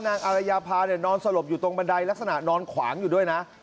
อารยาพานอนสลบอยู่ตรงบันไดลักษณะนอนขวางอยู่ด้วยนะ